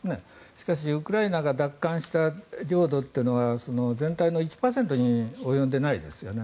しかし、ウクライナが奪還した領土というのは全体の１％に及んでいないですよね。